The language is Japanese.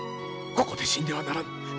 ここで死んではならぬ。